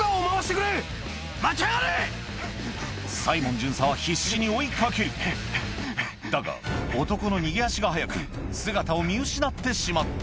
サイモン巡査は必死に追い掛けるだが男の逃げ足が速く姿を見失ってしまった